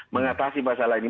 mengatasi masalah ini